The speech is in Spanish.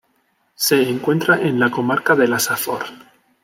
Se encuentra en la comarca de la Safor.